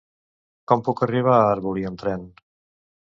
Com puc arribar a Arbolí amb tren?